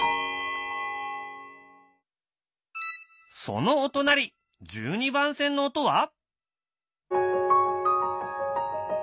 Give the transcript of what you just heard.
そのお隣１２番線の音は？